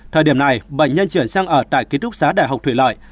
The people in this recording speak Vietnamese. thời điểm này bệnh nhân chuyển sang ở tại ký túc xá đại học thủy lợi